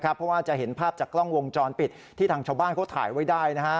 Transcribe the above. เพราะว่าจะเห็นภาพจากกล้องวงจรปิดที่ทางชาวบ้านเขาถ่ายไว้ได้